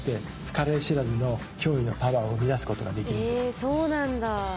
えそうなんだ。